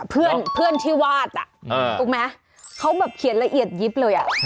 เพื่อนที่วาดถูกไหมเขาเขียนรายละเอียดยิปเลย